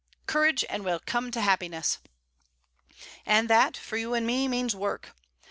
Courage, and we come to happiness! And that, for you and me, means work.